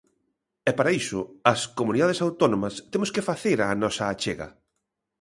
E para iso as comunidades autónomas temos que facer a nosa achega.